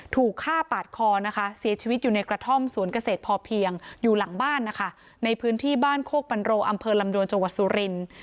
ถูกฆ่าปาดคอนะคะเสียชีวิตอยู่ในกระท่อมสวนเกษตรพอเพียงอยู่หลังบ้านนะคะในพื้นที่บ้านโคกปันโรอำเภอลำดวนจังหวัดสุรินทร์